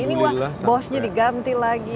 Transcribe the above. ini wah bosnya diganti lagi